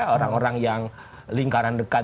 orang orang yang lingkaran dekat